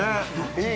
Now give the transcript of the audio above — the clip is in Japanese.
いい。